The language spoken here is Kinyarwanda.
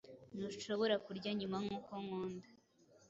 Ntushobora kurya Nyuma nkuko nkunda